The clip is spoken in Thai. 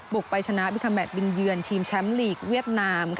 กไปชนะบิคาแมทบินเยือนทีมแชมป์ลีกเวียดนาม